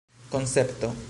koncepto